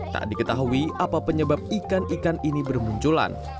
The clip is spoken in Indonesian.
tak diketahui apa penyebab ikan ikan ini bermunculan